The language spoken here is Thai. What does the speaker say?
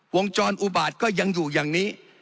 วงจรอุบาตก็ยังอยู่อย่างนี้